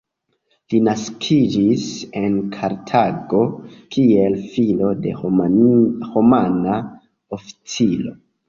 Li naskiĝis en Kartago, kiel filo de Romana oficiro.